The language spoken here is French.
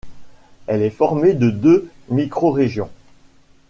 Elle est formée de deux microrégions.